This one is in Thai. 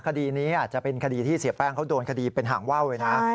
คดีนี้อาจจะเป็นคดีที่เสียแป้งเขาโดนคดีเป็นห่างว่าวเลยนะ